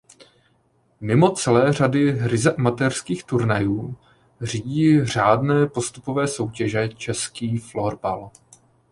Mimo celé řady ryze amatérských turnajů řídí řádné postupové soutěže Český florbal.